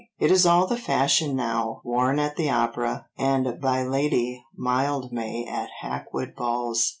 It is all the fashion now, worn at the opera, and by Lady Mildmay at Hackwood balls."